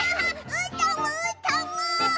うーたんもうーたんも！